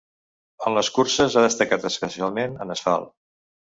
En les curses, ha destacat especialment en asfalt.